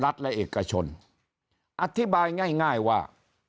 ครับลักษณะเอกชนอธิบายง่ายว่า